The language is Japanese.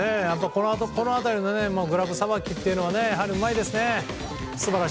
この辺りのグラブさばきというのはうまいですね。